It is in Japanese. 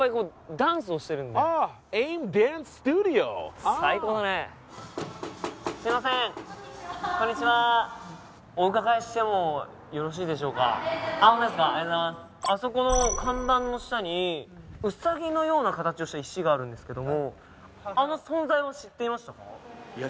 ・大丈夫ですホントですかありがとうございますあそこの看板の下にウサギのような形をした石があるんですけどもあの存在は知っていましたか？